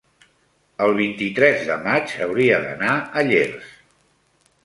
el vint-i-tres de maig hauria d'anar a Llers.